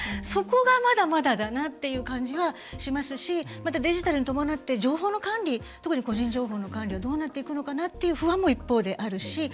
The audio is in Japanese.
そこがまだまだかなという感じはしますしまたデジタルに伴って情報の管理特に個人情報の管理はどうなるのかなという不安も一方であるし